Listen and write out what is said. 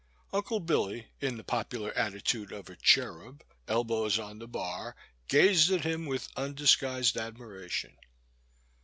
Unde Billy, in the popular atti tude of a cherub, elbows on the bar, gazed at him with undisguised admiration.